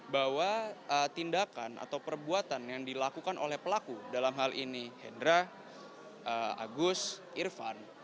bahwa tindakan atau perbuatan yang dilakukan oleh pelaku dalam hal ini hendra agus irfan